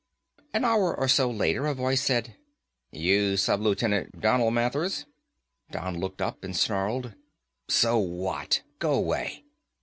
An hour or so later a voice said, "You Sub lieutenant Donal Mathers?" Don looked up and snarled. "So what? Go away."